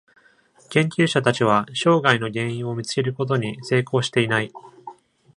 研究者たちは障害の原因を見つけることに成功していない。